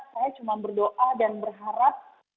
saya cuma berdoa dan berharap